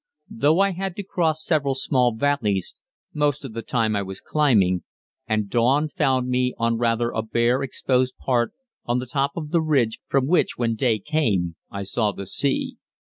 Though I had to cross several small valleys, most of the time I was climbing, and dawn found me on rather a bare exposed part on the top of the ridge from which, when day came, I saw the sea.